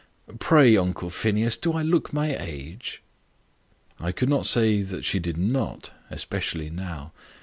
Pray, Uncle Phineas, do I look my age?" I could not say she did not especially now.